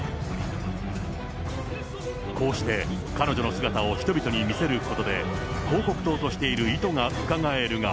こうして彼女の姿を人々に見せることで、広告塔としている意図がうかがえるが。